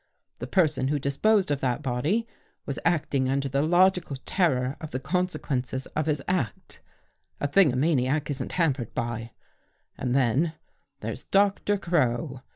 The person who disposed of that body, was acting under the logical terror of the consequences of his act — a thing a maniac isn't hampered by. And then, there's Doctor Crow.